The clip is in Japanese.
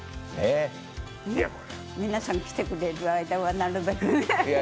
皆さん来てくれる間はなるべく。